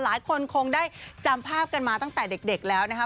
หลายคนคงได้จำภาพกันมาตั้งแต่เด็กแล้วนะครับ